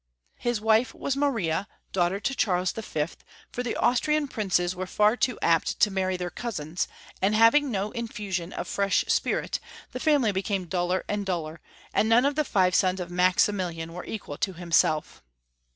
His Avife was Maria, daughter to Charles V., for the Austrian princes were far too apt to marry their cousins, and having no infusion of fresh spirit, the family became duller and duller, and none of the five sons of Maximilian were equal to liimself.